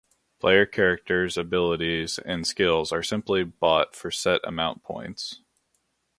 Player characters abilities and skills are simply bought for set amount points.